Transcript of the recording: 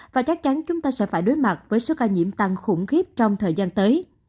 và chắc chắn chúng ta sẽ phải đối mặt với số ca nhiễm tăng khủng khiếp trong thời gian tới